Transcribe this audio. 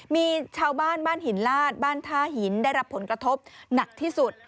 มีชาวบ้านบ้านหินลาดบ้านท่าหินได้รับผลกระทบหนักที่สุด